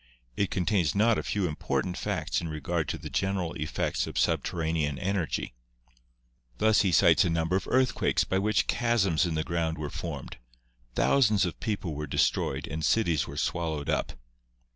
It contains not a few important facts in regard to the general effects of subter ranean energy. Thus he cites a number of earthquakes by which chasms in the ground were formed, thousands of people were de stroyed and cities were swallowed up.